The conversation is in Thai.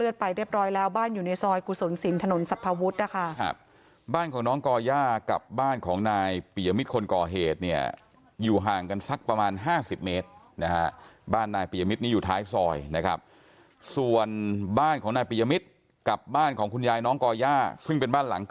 เจ้าหน้าที่ร่วมกับ